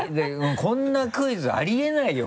こんなクイズありえないよ